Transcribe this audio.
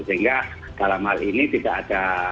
sehingga dalam hal ini tidak ada